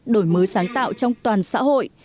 đổi mới sáng tạo trong toàn xã hội